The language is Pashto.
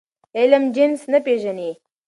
علم جنس نه پېژني.